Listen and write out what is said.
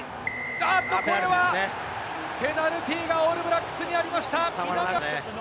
あっと、ボールは、ペナルティーがオールブラックスにありました。